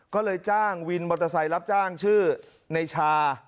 ก็เลยจ้างวินมอเตอร์ไซค์รับจ้างชื่อในชา